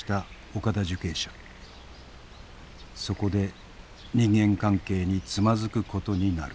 そこで人間関係につまずくことになる。